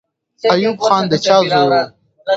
ایوب خان د چا زوی وو؟